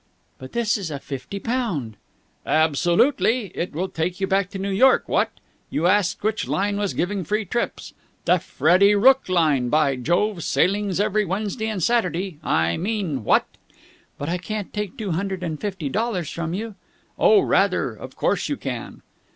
"But this is a fifty pound!" "Absolutely! It will take you back to New York, what? you asked which line was giving free trips. The Freddie Rooke Line, by Jove, sailings every Wednesday and Saturday! I mean, what?" "But I can't take two hundred and fifty dollars from you!" "Oh, rather. Of course you can."